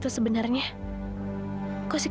bukan kayak mesti